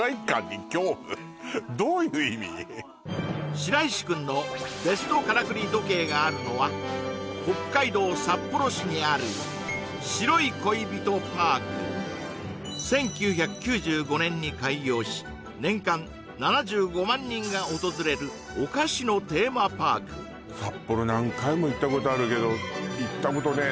白石君のベストからくり時計があるのはにある１９９５年に開業し年間７５万人が訪れるお菓子のテーマパーク札幌何回も行ったことあるけど行ったことねえ